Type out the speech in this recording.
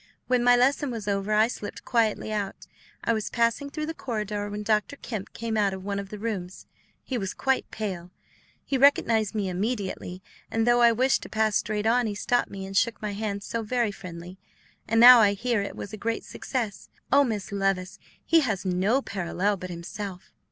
When my lesson was over, I slipped quietly out; I was passing through the corridor when Dr. Kemp came out of one of the rooms. He was quite pale. He recognized me immediately; and though I wished to pass straight on, he stopped me and shook my hand so very friendly. And now I hear it was a great success. Oh, Miss Levice, he has no parallel but himself!"